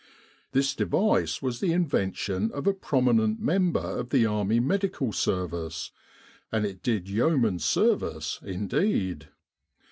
This device was the invention of a prominent member of the Army Medical Service, and it did yeoman's service indeed.